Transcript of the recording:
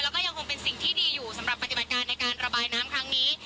แล้วก็ยังคงเป็นสิ่งที่ดีอยู่สำหรับปฏิบัติการในการระบายน้ำครั้งนี้